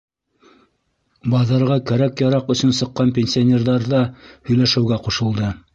Баҙарға кәрәк-яраҡ өсөн сыҡҡан пенсионерҙар ҙа һөйләшеүгә ҡушылды.